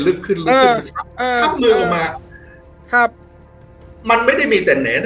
ลึกขึ้นลึกขึ้นเออเออชักมือออกมาครับมันไม่ได้มีแต่แหน่